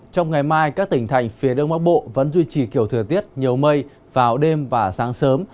trong ngày mai các tỉnh thành phía đông bắc bộ vẫn duy trì kiểu thời tiết nhiều mây vào đêm và sáng sớm